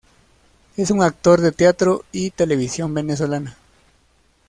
Es un actor de teatro y televisión venezolana.